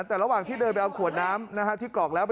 แต่ระหว่างที่เดินไปเอาขวดน้ำที่กรอกแล้ว